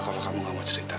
kalau kamu gak mau cerita